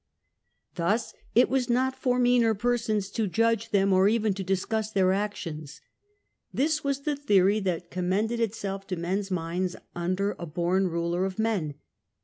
Thus it was not for meaner persons to judge them or even to discuss their actions. This was the theory that commended itself to men's minds under a born ruler of men.